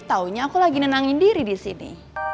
taunya aku lagi nenangin diri disini